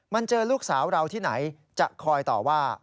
มันเจอลูกสาวเราที่ไหนจะคอยต่อว่า